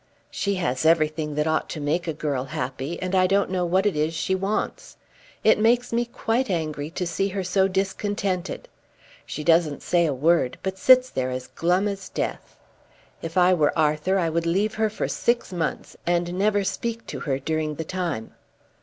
"She has everything that ought to make a girl happy, and I don't know what it is she wants. It makes me quite angry to see her so discontented. She doesn't say a word, but sits there as glum as death. If I were Arthur I would leave her for six months, and never speak to her during the time."